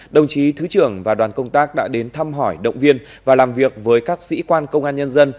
đồng chí thứ trưởng và đoàn công tác đã đến thăm hỏi động viên và làm việc với các sĩ quan công an nhân dân